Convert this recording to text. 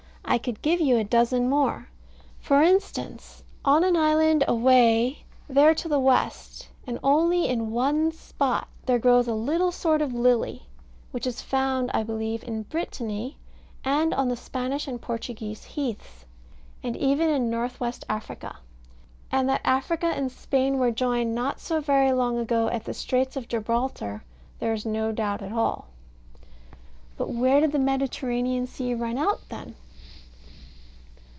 I could give you a dozen more. For instance, on an island away there to the west, and only in one spot, there grows a little sort of lily, which is found I believe in Brittany, and on the Spanish and Portuguese heaths, and even in North west Africa. And that Africa and Spain were joined not so very long ago at the Straits of Gibraltar there is no doubt at all. But where did the Mediterranean Sea run out then?